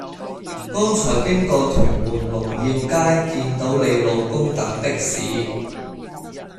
剛才經過屯門龍耀街見到你老公等的士